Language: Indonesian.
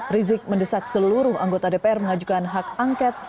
rizik mendesak seluruh anggota dpr mengajukan hak angket